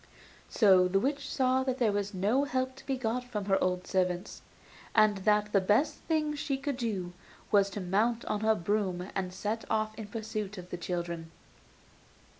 So the witch saw there was no help to be got from her old servants, and that the best thing she could do was to mount on her broom and set off in pursuit of the children.